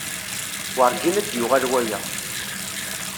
Werǧin ad d-yuɣal waya.